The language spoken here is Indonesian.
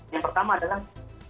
yang pertama adalah